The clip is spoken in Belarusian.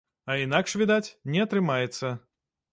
А інакш, відаць, не атрымаецца.